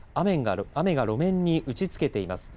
雨が路面に打ちつけています。